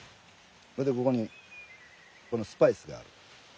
それでここにこのスパイスがある。